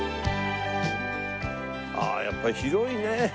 ああやっぱり広いね。